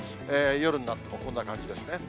夜になってもこんな感じですね。